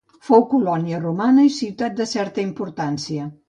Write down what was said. Fou colònia romana i ciutat de certa importància.